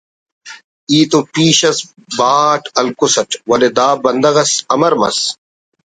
ای تو پیش اس بہا اٹ ہلکسٹ ولے دا بندغ اس امر مس